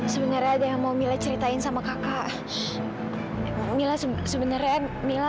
sebenarnya ada yang mau mila ceritain sama kakak mila sebenarnya mila